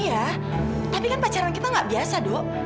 iya tapi kan pacaran kita gak biasa dok